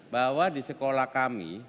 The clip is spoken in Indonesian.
bahwa di sekolah kami